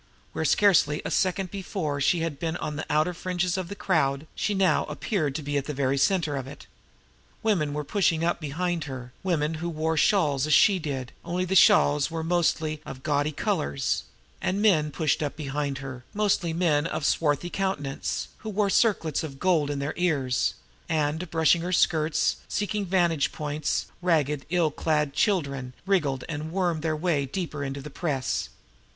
Where scarcely a second before she had been on the outer fringe of the crowd, she now appeared to be in the very center of it. Women were pushing up behind her, women who wore shawls as she did, only the shawls were mostly of gaudy colors; and men pushed up behind her, mostly men of swarthy countenance, who wore circlets of gold in their ears; and, brushing her skirts, seeking vantage points, ragged, ill clad children wriggled and wormed their way deeper into the press.